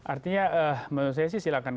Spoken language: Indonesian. artinya menurut saya sih silahkan